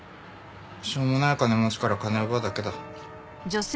しょうもない金持ちから金奪うだけだ。